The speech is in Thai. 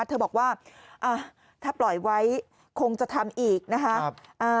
เธอบอกว่าถ้าปล่อยไว้คงจะทำอีกนะคะ